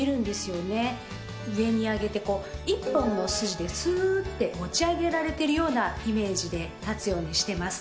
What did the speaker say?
上に上げて一本の筋ですーって持ち上げられてるようなイメージで立つようにしてます。